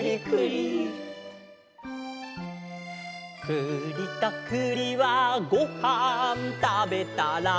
「くりとくりはごはんたべたら」